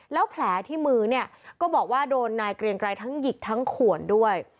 แล้วแผลที่มือเนี่ยก็บอกว่าโดนนายเกรียงไกรทั้งหยิกทั้งขวนด้วย